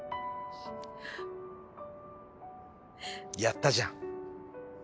やったじゃん。